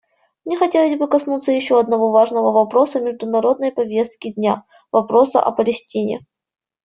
Мне хотелось бы коснуться еще одного важного вопроса международной повестки дня — вопроса о Палестине.